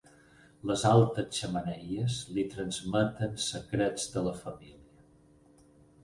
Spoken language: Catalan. Les altes xemeneies li transmeten secrets de la família.